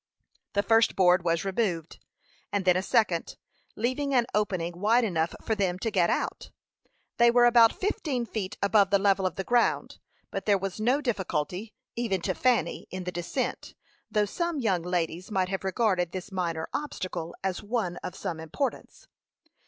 The first board was removed, and then a second, leaving an opening wide enough for them to get out. They were about fifteen feet above the level of the ground, but there was no difficulty, even to Fanny, in the descent, though some young ladies might have regarded this minor obstacle as one of some importance.